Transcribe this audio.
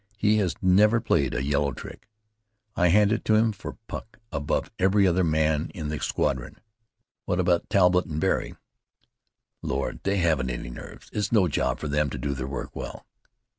He has never played a yellow trick. I hand it to him for pluck above every other man in the squadron." "What about Talbott and Barry?" "Lord! They haven't any nerves. It's no job for them to do their work well."